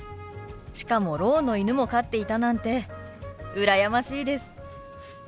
しかもろうの犬も飼っていたなんて羨ましいです。